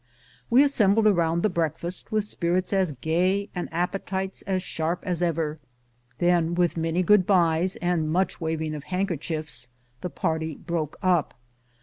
We assembled around the breakfast with spirits as gay and appetites as sharp as ever. Then, with many good bys and much waving of handkerchiefs, the party broke up.